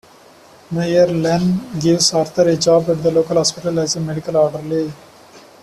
Mayor Len gives Arthur a job at the local hospital as a medical orderly.